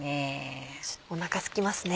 お腹すきますね。